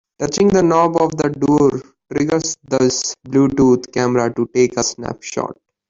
Touching the knob of the door triggers this Bluetooth camera to take a snapshot.